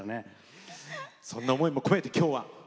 そんな思いも込めて今日は。